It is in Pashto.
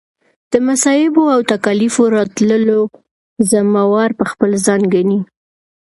د مصائبو او تکاليفو راتللو ذمه وار به خپل ځان ګڼي